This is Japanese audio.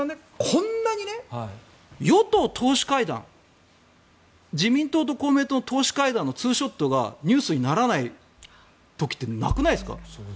こんなに与党党首会談自民党と公明党の党首会談のツーショットがニュースにならない時ってなくないですか？